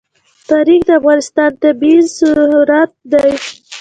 تاریخ د افغانستان طبعي ثروت دی.